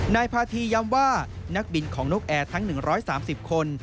นายพาธีย้ำว่านักบินของนกแอร์ทั้ง๑๓๐คน